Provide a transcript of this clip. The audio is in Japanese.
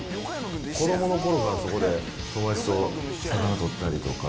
子どものころからそこで友達と魚取ったりとか。